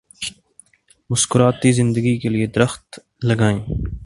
مسکراتی زندگی کے لیے درخت لگائیں۔